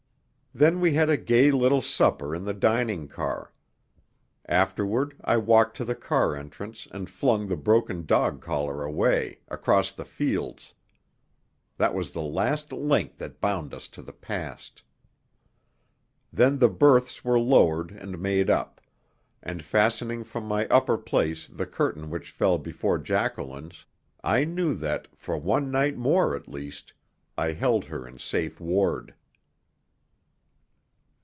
Then we had a gay little supper in the dining car. Afterward I walked to the car entrance and flung the broken dog collar away across the fields. That was the last link that bound us to the past. Then the berths were lowered and made up; and fastening from my upper place the curtain which fell before Jacqueline's, I knew that, for one night more, at least, I held her in safe ward.